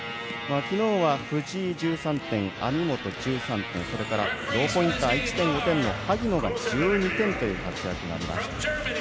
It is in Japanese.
昨日は藤井１３点、網本１３点それからローポインター１．５点の萩野が１２点という活躍がありました。